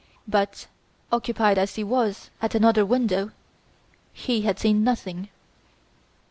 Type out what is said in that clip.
But, occupied as he was at another window, he had seen nothing.